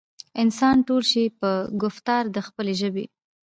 انسان تول شي پۀ ګفتار د خپلې ژبې